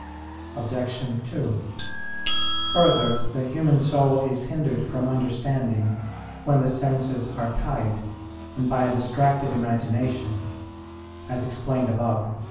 Obj. 2: Further, the human soul is hindered from understanding when the senses are tied, and by a distracted imagination, as explained above (Q.